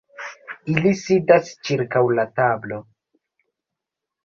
Ili sidas ĉirkaŭ la tablo.